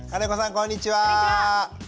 こんにちは。